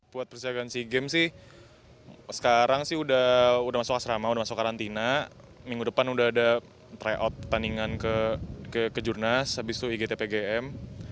buat persiapan sea games sih sekarang sih udah masuk asrama udah masuk karantina minggu depan udah ada tryout pertandingan kejurnas habis itu igtpgm